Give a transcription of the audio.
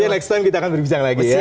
next time kita akan berbicara lagi ya